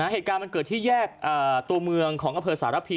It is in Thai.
เหตุการณ์มันเกิดที่แยกตัวเมืองของอำเภอสารพี